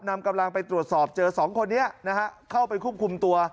นำกำลังไปตรวจสอบเจอสองคนนี้นะฮะเข้าไปควบคุมตัว